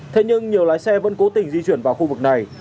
thế nhưng nhiều lái xe vẫn cố tình di chuyển vào khu vực này